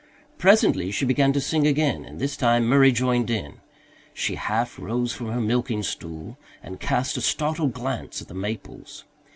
Presently she began to sing again, and this time Murray joined in. She half rose from her milking stool and cast a startled glance at the maples.